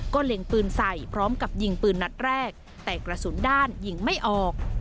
ก็เล็งปืนใส่พร้อมกับยิงปืนนัดแรกแต่กระสุนด้านยิงไม่ออก